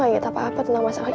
saya masih masih